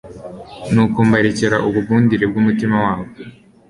nuko mbarekera ubugundire bw'umutima wabo